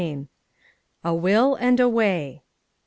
A WILL AND A WAY.